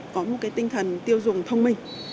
có một cái tinh thần tiêu dùng thông minh